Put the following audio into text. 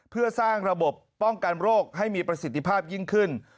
เพื่อสร้างระบบป้องกันโรคให้มีประสิทธิภาพยิ่งขึ้น